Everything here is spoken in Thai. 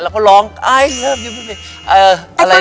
อะไรก็ร้องไป